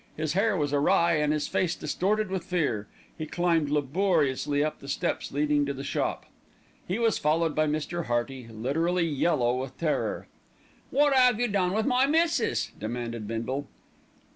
His hair was awry and his face distorted with fear. He climbed laboriously up the steps leading to the shop. He was followed by Mr. Hearty, literally yellow with terror. "Wot 'ave you done with my missis?" demanded Bindle.